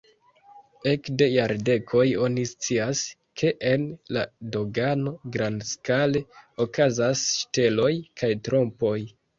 Ekde jardekoj oni scias, ke en la dogano grandskale okazas ŝteloj kaj trompoj.